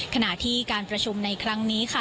ขณะที่การประชุมในครั้งนี้ค่ะ